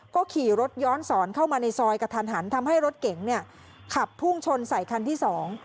ก็ขี่รถย้อนสอนเข้ามาในซอยกระทันหันทำให้รถเก๋งเนี่ยขับพุ่งชนใส่คันที่สอง